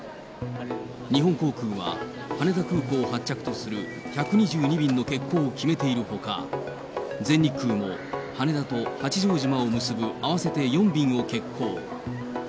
日本航空は羽田空港を発着とする１２２便の欠航を決めているほか、全日空も羽田と八丈島を結ぶ合わせて４便を欠航。